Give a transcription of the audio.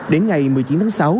đến ngày một mươi chín tháng sáu